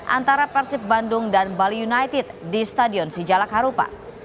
antara persib bandung dan bali united di stadion sijalak harupa